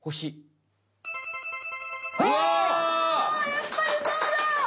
やっぱりそうだ！